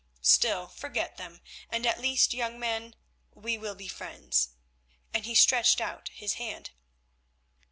Still, forget them, and at least, young man, we will be friends," and he stretched out his hand.